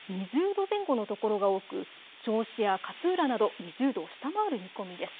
２０度前後の所が多く銚子や勝浦など２０度を下回る見込みです。